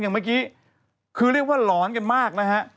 อย่างเมื่อกี้คือเรียกว่าหลอนกันมากนะฮะ